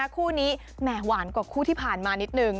คู่นี้แหมหวานกว่าคู่ที่ผ่านมานิดนึง